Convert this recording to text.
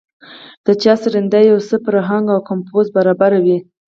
د چا سرېنده يو څه پر اهنګ او کمپوز برابره وي.